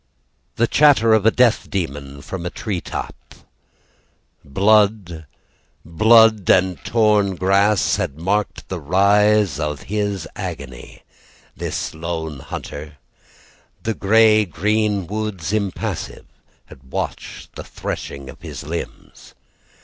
The chatter of a death demon from a tree top. Blood blood and torn grass Had marked the rise of his agony This lone hunter. The grey green woods impassive Had watched the threshing of his limbs.